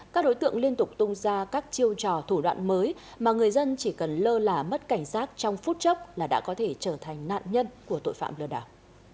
các đối tượng liên tục tung ra các chiêu trò thủ đoạn mới mà người dân chỉ cần lơ là mất cảnh giác trong phút chốc là đã có thể trở thành nạn nhân của tội phạm lừa đảo